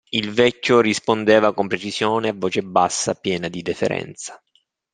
Il vecchio rispondeva con precisione, a voce bassa, piena di deferenza.